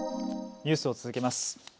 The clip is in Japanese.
ニュースを続けます。